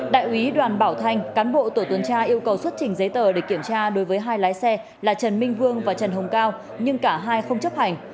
đại úy đoàn bảo thanh cán bộ tổ tuần tra yêu cầu xuất trình giấy tờ để kiểm tra đối với hai lái xe là trần minh vương và trần hồng cao nhưng cả hai không chấp hành